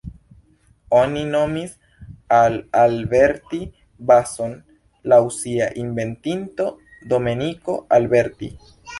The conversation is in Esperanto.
Oni nomis la Alberti-bason laŭ sia inventinto Domenico Alberti.